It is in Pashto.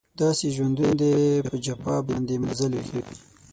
داسې ژوندون دی په جفا باندې مزلې کوي